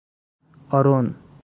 آرون